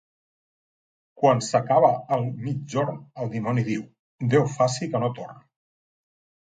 Quan s'acaba el migjorn el dimoni diu: «Déu faci que no torn».